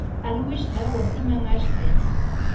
alwishta wasiman ashtay.